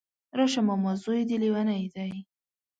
راشه ماما ځوی دی ليونی دی